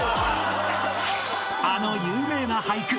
［あの有名な俳句